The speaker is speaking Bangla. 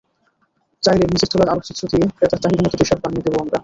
চাইলে নিজের তোলা আলোকচিত্র দিয়ে ক্রেতার চাহিদামতো টি-শার্ট বানিয়ে দেব আমরা।